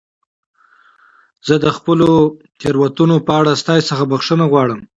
زه د خپلو تېروتنو په اړه ستاسي څخه بخښنه غواړم.